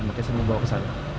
mungkin mau bawa ke sana